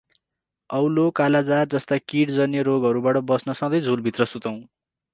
औलो, कालाजार जस्ता किट जन्य रोगहरुबाट बच्न संधै झुल भित्र सुतौं ।